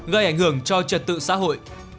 gây ảnh hưởng cho trật tự xã hội